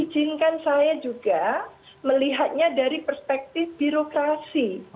izinkan saya juga melihatnya dari perspektif birokrasi